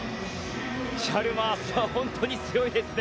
チャルマースは本当に強いですね。